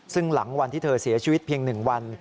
ซึ่งหลังวันที่เธอเสียชีวิตเพียง๑วัน